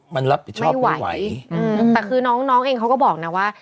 มันรับผิดชอบไม่ไหวอืมแต่คือน้องน้องเองเขาก็บอกนะว่า